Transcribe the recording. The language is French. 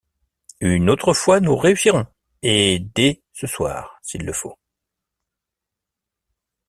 Une autre fois nous réussirons, et dès ce soir s’il le faut…